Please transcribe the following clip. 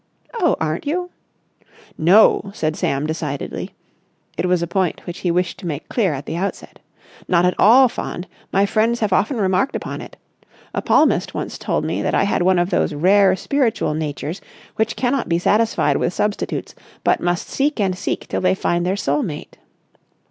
"Oh, aren't you?" "No!" said Sam decidedly. It was a point which he wished to make clear at the outset. "Not at all fond. My friends have often remarked upon it. A palmist once told me that I had one of those rare spiritual natures which cannot be satisfied with substitutes but must seek and seek till they find their soul mate.